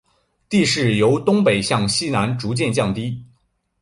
地势由东北向西南逐渐降低。